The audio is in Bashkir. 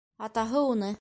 Атаһы уны: